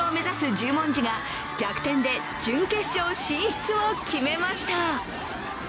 十文字が、逆転で準決勝進出を決めました。